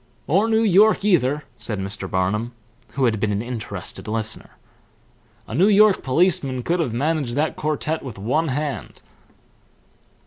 "Or New York either," said Mr. Barnum, who had been an interested listener. "A New York policeman could have managed that quartet with one hand."